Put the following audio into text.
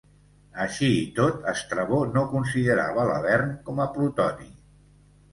Així i tot, Estrabó no considerava l'Avern com a plutoni.